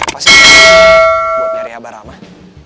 pasti bisa buat nyari abah ramah